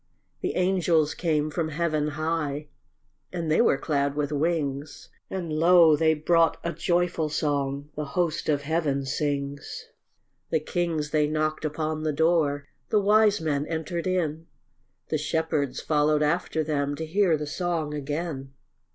The angels came from heaven high, And they were clad with wings; And lo, they brought a joyful song The host of heaven sings. The kings they knocked upon the door, The wise men entered in, The shepherds followed after them To hear the song begin.